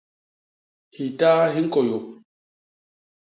Hitaa hi ñkôyôp.